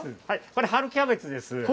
これ春キャベツです。